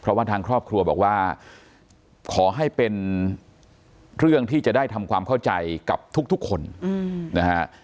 เพราะว่าทางครอบครัวบอกว่าขอให้เป็นเรื่องที่จะได้ทำความเข้าใจกับทุกคนนะฮะ